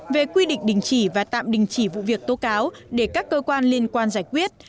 về quy định đình chỉ và tạm đình chỉ vụ việc tố cáo để các cơ quan liên quan giải quyết